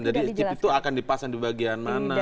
jadi chip itu akan dipasang di bagian mana